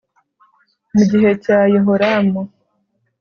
mu gihe cya yehoramu